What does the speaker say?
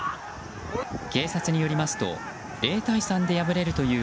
警察によりますと０対３で敗れるという